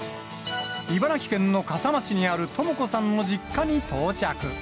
茨城県の笠間市にある朋子さんの実家に到着。